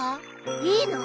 いいの？